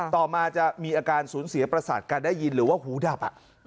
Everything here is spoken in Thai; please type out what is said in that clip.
ต่อมาจะมีอาการสูญเสียประสาทการได้ยินหรือว่าหูดับ